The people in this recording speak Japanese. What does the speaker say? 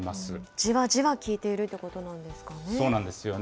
じわじわ効いているということなんですかね。